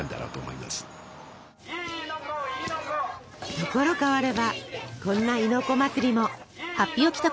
ところ変わればこんな「亥の子祭り」も。